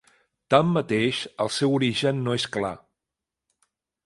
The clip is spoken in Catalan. Tanmateix el seu origen no és clar.